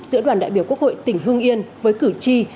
giữa đoàn đại biểu quốc hội tỉnh hương yên với cử tri